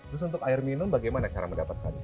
terus untuk air minum bagaimana cara mendapatkannya